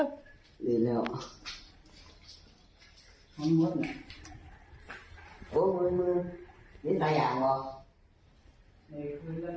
มึงตายมากกก